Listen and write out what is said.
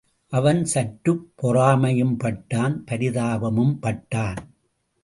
அவன் சற்றுப் பொறாமையும் பட்டான் பரிதாபமும் பட்டான்.